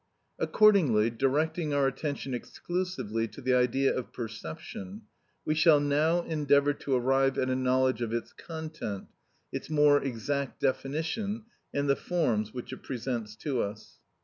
Accordingly, directing our attention exclusively to the idea of perception, we shall now endeavour to arrive at a knowledge of its content, its more exact definition, and the forms which it presents to us.